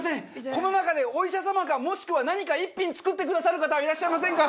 この中でお医者様かもしくは何か１品作ってくださる方はいらっしゃいませんか？